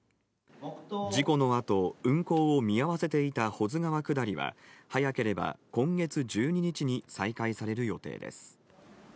事故のあと、運航を見合わせていた保津川下りは、早ければ今月１２日に再開される予定です。